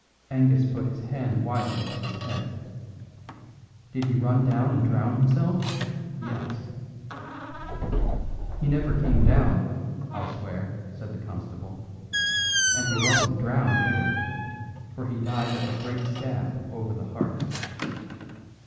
Angus put his hand wildly to his head. "Did he run down and drown himself?" he asked. "He never came down, I'll swear," said the constable, "and he wasn't drowned either, for he died of a great stab over the heart."